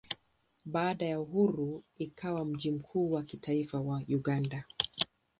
Baada ya uhuru ikawa mji mkuu wa kitaifa wa Uganda.